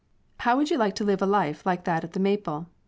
I02 How would you like to live a life like that of the maple